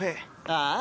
ああ。